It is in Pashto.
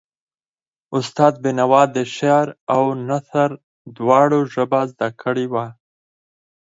استاد بینوا د شعر او نثر دواړو ژبه زده کړې وه.